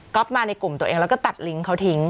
ก็มาในกลุ่มตัวเองแล้วก็ตัดลิงก์เขาทิ้ง